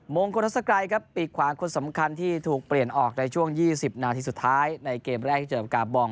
งกลทัศกรัยครับปีกขวางคนสำคัญที่ถูกเปลี่ยนออกในช่วง๒๐นาทีสุดท้ายในเกมแรกที่เจอกับกาบอง